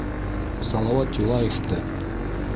«Салауат Юлаев»ты.